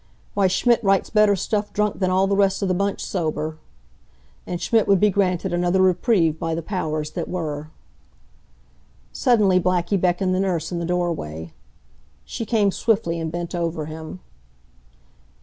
Why, Schmidt writes better stuff drunk than all the rest of the bunch sober." And Schmidt would be granted another reprieve by the Powers that Were. Suddenly Blackie beckoned the nurse in the doorway. She came swiftly and bent over him.